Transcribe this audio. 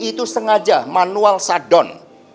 itu sengaja manual sat down